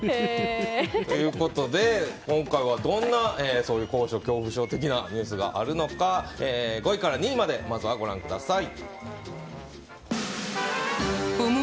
今回は、どんな高所恐怖症的なニュースがあるのか５位から２位までまずはご覧ください。